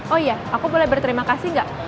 oh iya aku boleh berterima kasih nggak